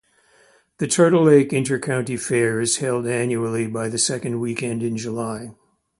The Turtle Lake Inter County Fair is held annually the second weekend in July.